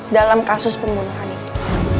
dalam kasus pembunuhan itu